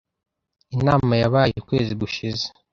Inama yabaye ukwezi gushize.